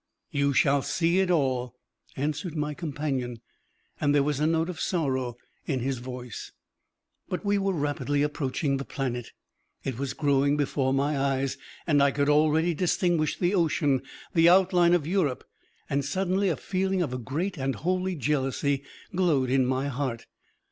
"You shall see it all," answered my companion, and there was a note of sorrow in his voice. But we were rapidly approaching the planet. It was growing before my eyes; I could already distinguish the ocean, the outline of Europe; and suddenly a feeling of a great and holy jealousy glowed in my heart.